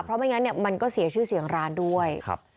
เพราะไม่งั้นเนี่ยมันก็เสียชื่อเสียงร้านด้วยครับ